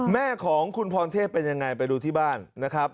แม่ของคุณพรเทพเป็นยังไงไปดูที่บ้านนะครับ